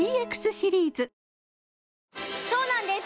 そうなんです